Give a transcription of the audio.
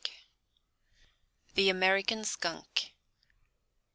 THE AMERICAN SKUNK.